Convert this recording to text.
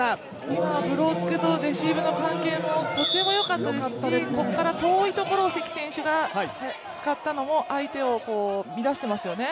今、ブロックとレシーブの関係もとてもよかったですしここから遠いところを関選手が使ったのも、相手を乱していますよね。